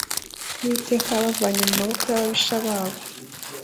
uwiteka yabavanye mu maboko yababisha babo